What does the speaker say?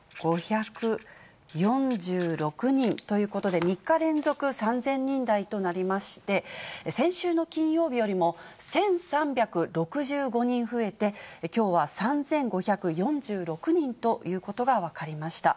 ３５４６人ということで、３日連続、３０００人台となりまして、先週の金曜日よりも１３６５人増えて、きょうは３５４６人ということが分かりました。